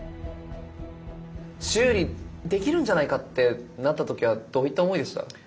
修理できるんじゃないかってなった時はどういった思いでした？